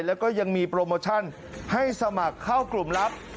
แล้วก็ยังมีโปรโมชั่นให้สมัครเข้ากลุ่มลับ